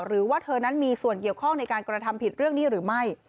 หรือว่าเธอนั้นมีส่วนเกี่ยวข้องในการกระทำผิดเรื่องนี้หรือไม่